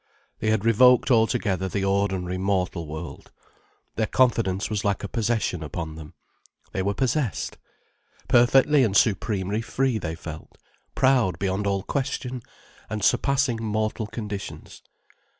They had revoked altogether the ordinary mortal world. Their confidence was like a possession upon them. They were possessed. Perfectly and supremely free they felt, proud beyond all question, and surpassing mortal conditions.